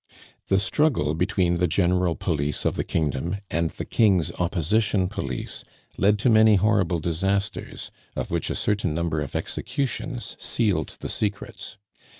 The struggle between the general police of the kingdom, and the King's opposition police, led to many horrible disasters, of which a certain number of executions sealed the secrets.